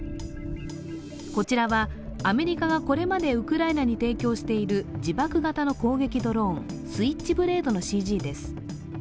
こちらは、アメリカがこれまでウクライナに提供している自爆型の攻撃ドローン、スイッチブレードのＣＧです。